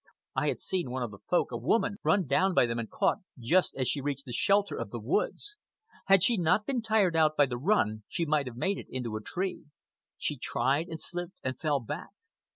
I had seen one of the Folk, a woman, run down by them and caught just as she reached the shelter of the woods. Had she not been tired out by the run, she might have made it into a tree. She tried, and slipped, and fell back.